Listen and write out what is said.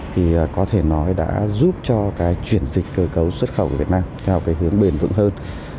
thì có thể nói đã giúp cho cái chuyển dịch cơ cấu xuất khẩu của việt nam theo cái hướng bền vững hơn